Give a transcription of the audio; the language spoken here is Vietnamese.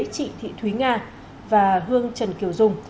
trịnh thị thúy nga và hương trần kiều dung